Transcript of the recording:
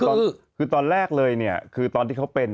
ก็คือตอนแรกเลยจากตอนที่เขาเป็น